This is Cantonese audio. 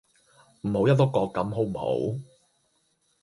唔好一碌葛咁好唔好